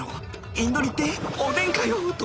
インド煮っておでんかよと